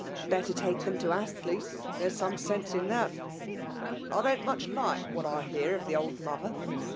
'' Better take them to Astley's; there is some sense in that ! I dou*t much like what I hear of the old mother.